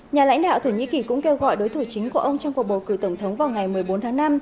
nhà lãnh đạo thổ nhĩ kỳ cũng kêu gọi đối thủ chính của ông trong cuộc bầu cử tổng thống vào ngày một mươi bốn tháng năm